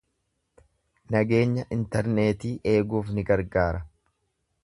nageenya interneetii eeguuf ni gargaara.